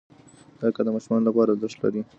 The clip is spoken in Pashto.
دا کار د ماشومانو لپاره ارزښت لري.